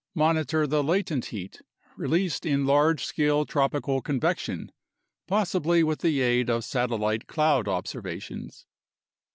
Monitor the latent heat released in large scale tropical convection, possibly with the aid of satellite cloud observations.